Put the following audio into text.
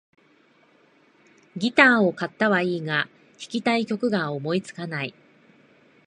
ギターを買ったはいいが、弾きたい曲が思いつかない